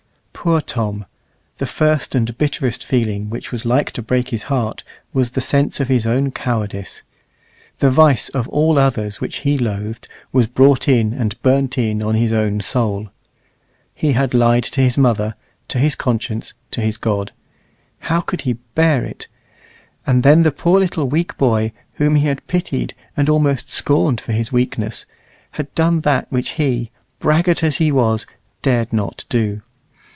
Poor Tom! the first and bitterest feeling which was like to break his heart was the sense of his own cowardice. The vice of all others which he loathed was brought in and burnt in on his own soul. He had lied to his mother, to his conscience, to his God. How could he bear it? And then the poor little weak boy, whom he had pitied and almost scorned for his weakness, had done that which he, braggart as he was, dared not do.